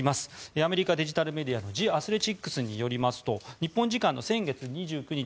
アメリカデジタルメディアのジ・アスレチックによりますと日本時間の先月２９日